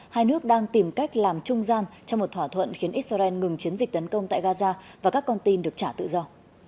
hai nước đang tìm cách làm trung gian cho một thỏa thuận khiến israel ngừng chiến dịch tấn công tại gaza và các con tin được trả tự do